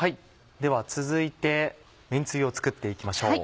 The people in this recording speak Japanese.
では続いてめんつゆを作って行きましょう。